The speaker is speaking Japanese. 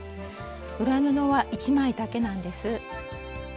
裏布は１枚だけなんです。